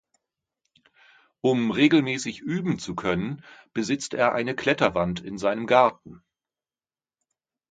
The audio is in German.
Um regelmäßig üben zu können, besitzt er eine Kletterwand in seinem Garten.